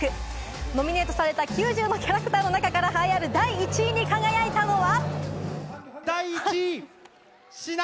ノミネートされた９０のキャラクターの中から栄えある第１位に輝いたのは。